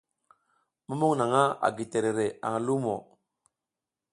Mumuƞ naƞʼha a gi terere aƞ lumo.